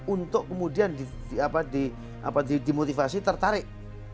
untuk kemudian dimotivasi tertarik